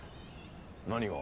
何が？